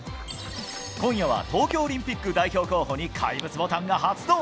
今夜は東京オリンピック代表候補に怪物ボタンが発動！